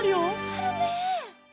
あるね！